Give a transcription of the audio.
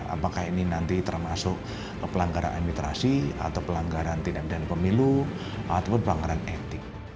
apakah ini nanti termasuk pelanggaran imitrasi atau pelanggaran tindakan pemilu atau pelanggaran etik